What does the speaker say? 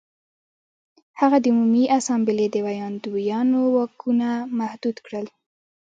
هغه د عمومي اسامبلې د ویاندویانو واکونه محدود کړل